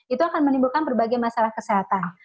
itu akan menimbulkan berbagai masalah kesehatan